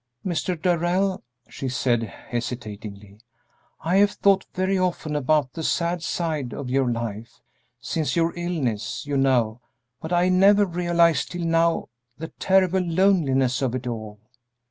"Mr. Darrell," she said, hesitatingly, "I have thought very often about the sad side of your life since your illness, you know; but I never realized till now the terrible loneliness of it all."